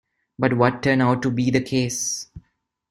But what turned out to be the case?